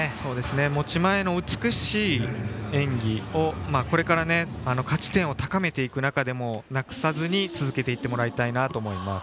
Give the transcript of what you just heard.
持ち前の美しい演技をこれから価値点を高めていく中でもなくさずに続けていってもらいたいなと思います。